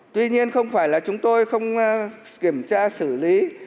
tuy nhiên không phải là chúng tôi không kiểm tra xử lý